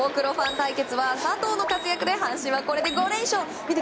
対決は佐藤の活躍で阪神はこれで５連勝。